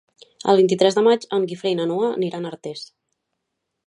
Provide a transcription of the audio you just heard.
El vint-i-tres de maig en Guifré i na Noa aniran a Artés.